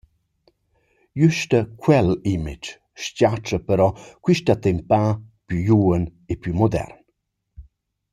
Güst quel «image» s-chatscha però quist «attempà» plü giuven e plü modern.